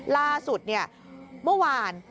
ล่าสุดเนี่ยเมื่อวาน